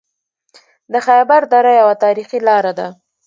د خیبر دره یوه تاریخي لاره ده